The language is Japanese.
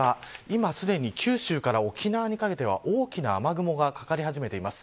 すでに九州から沖縄にかけて大きな雨雲がかかり始めています。